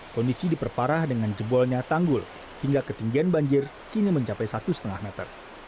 kondisi diperparah dengan jebolnya tanggul hingga ketinggian banjir kini mencapai satu lima meter